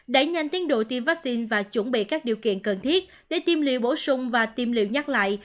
đẩy nhanh tiến độ tiêm vaccine và chuẩn bị các điều kiện cần thiết để tiêm liều bổ sung và tiêm liều nhắc lại